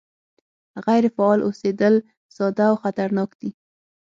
غیر فعال اوسېدل ساده او خطرناک دي